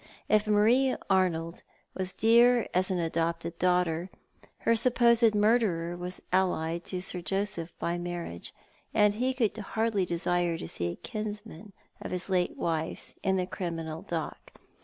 If Marie Arnold was dear as an adopted daughter, her supposed murderer was allied to Sir Joseph by marriage, and he could hardly desire to see a kinsman of his late wife's in the criminal dock.